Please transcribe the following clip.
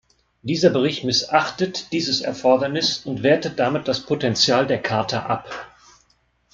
Dieser Bericht missachtet dieses Erfordernis und wertet damit das Potential der Charta ab.